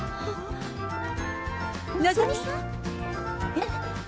えっ？